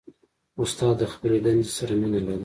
استاد د خپلې دندې سره مینه لري.